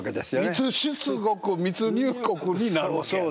密出国密入国になるわけやね。